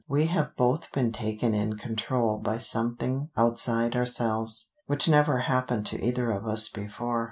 "We have both been taken in control by something outside ourselves, which never happened to either of us before.